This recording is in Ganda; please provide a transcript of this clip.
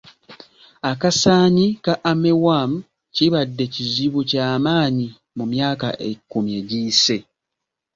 Akasaanyi ka armyworm kibadde kizibu ky'amaanyi mu myaka ekkumi egiyise.